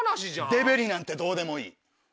デベリなんてどうでもいい。